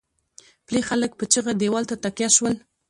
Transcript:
پلې خلک په چيغه دېوال ته تکيه شول.